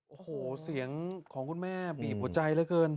โอ้โหเสียงของคุณแม่บีบหัวใจเหลือเกิน